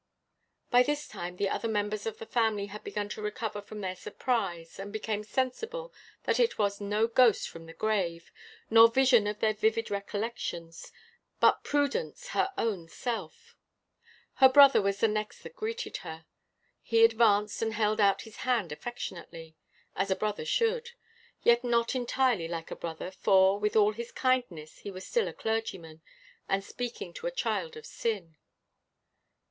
By this time, the other members of the family had begun to recover from their surprise, and became sensible that it was no ghost from the grave, nor vision of their vivid recollections, but Prudence, her own self. Her brother was the next that greeted her. He advanced and held out his hand affectionately, as a brother should; yet not entirely like a brother, for, with all his kindness, he was still a clergyman and speaking to a child of sin.